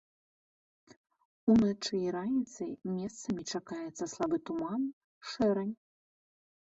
Уначы і раніцай месцамі чакаецца слабы туман, шэрань.